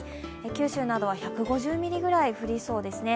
九州などは１５０ミリぐらい降りそうですね。